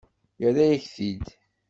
Yerra-yak-t-id.